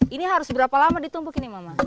ini harus berapa lama ditumbuk ini mama